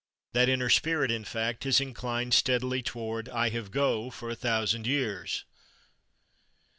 That inner spirit, in fact, has inclined steadily toward "I have /go/" for a thousand years.